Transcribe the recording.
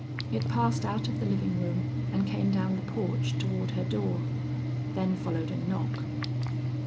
It passed out of the living room and came down the porch toward her door. Then followed a knock.